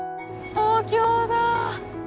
東京だぁ！